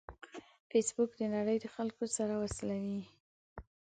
فېسبوک د نړۍ د خلکو سره وصلوي